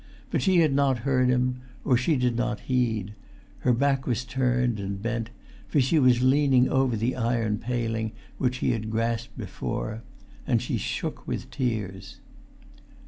But she had not heard him, or she did not heed: her back was turned, and bent, for she was leaning over the iron paling which he had grasped before. And she shook with tears.